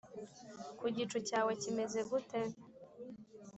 ku gicu cyawe kimeze gute